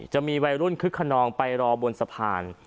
จะมีวัยรุ่นคึกขนองไปรอบนสะพาน